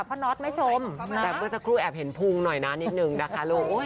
พ่อนอธมาชมแต่เพื่อจะครูแอบเห็นพุงหน่อยนะนิดหนึ่งนะคะลูกโอ้ย